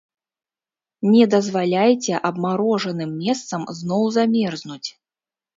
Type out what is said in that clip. Не дазваляйце абмарожаным месцам зноў замерзнуць.